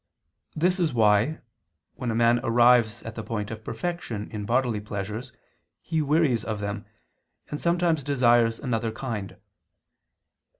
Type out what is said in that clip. This is why, when a man arrives at the point of perfection in bodily pleasures, he wearies of them, and sometimes desires another kind.